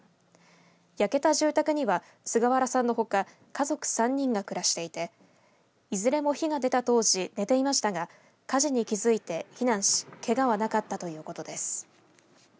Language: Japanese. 焼けた住宅には、菅原さんのほか家族３人が暮らしていていずれも火が出た当時寝ていましたが火事に気づいて避難しけがはなかったということです。